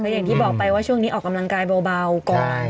อย่างที่บอกไปว่าช่วงนี้ออกกำลังกายเบาก่อน